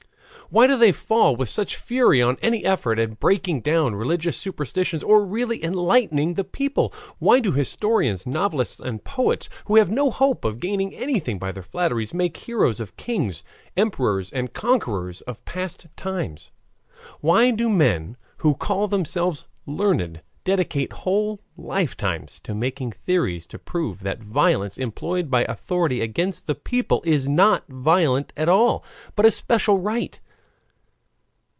Why do they fall with such fury on any effort at breaking down religious superstitions or really enlightening the people? Why do historians, novelists, and poets, who have no hope of gaining anything by their flatteries, make heroes of kings, emperors, and conquerors of past times? Why do men, who call themselves learned, dedicate whole lifetimes to making theories to prove that violence employed by authority against the people is not violence at all, but a special right?